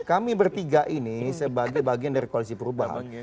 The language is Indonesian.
kami bertiga ini sebagai bagian dari koalisi perubahan